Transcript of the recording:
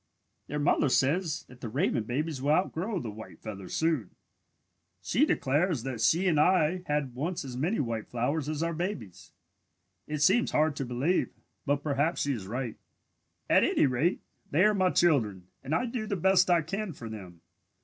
"Their mother says that the raven babies will outgrow the white feathers soon. She declares that she and I had once as many white feathers as our babies. It seems hard to believe, but perhaps she is right. "At any rate, they are my children and I do the best I can for them.